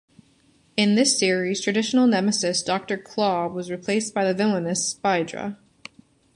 In this series, traditional nemesis Doctor Claw was replaced by the villainess Spydra.